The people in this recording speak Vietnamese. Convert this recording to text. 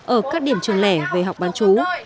ở các điểm trường lẻ về học bán chú